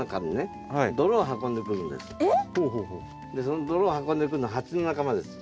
その泥を運んでくるのはハチの仲間です。